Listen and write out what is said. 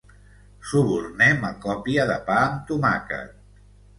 Subornem a còpia de pa amb tomàquet.